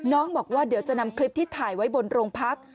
บอกว่าเดี๋ยวจะนำคลิปที่ถ่ายไว้บนโรงพัก